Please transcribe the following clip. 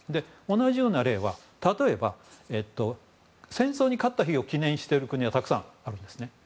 同じような例は例えば、戦争に勝った日を記念している国はたくさんあるんですね。